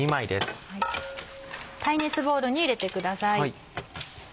耐熱ボウルに入れてください。